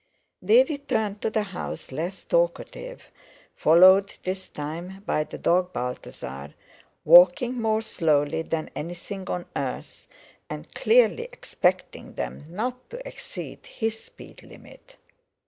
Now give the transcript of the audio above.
They returned to the house less talkative, followed this time by the dog Balthasar, walking more slowly than anything on earth, and clearly expecting them not to exceed his speed limit.